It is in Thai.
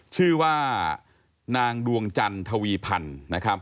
ชื่อว่านางดวงจันทวีพันธุ์